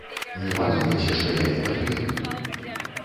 Не падумайце, што я не патрыёт.